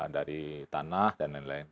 dari tanah dan lain lain